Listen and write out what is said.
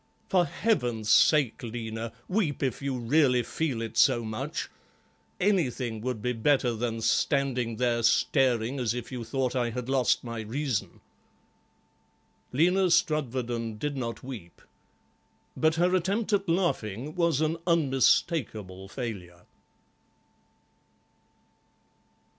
For Heaven's sake, Lena, weep, if you really feel it so much; anything would be better than standing there staring as if you thought I had lost my reason." Lena Strudwarden did not weep, but her attempt at laughing was an unmistakable failure.